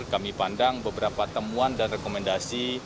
kami pandang beberapa temuan dan rekomendasi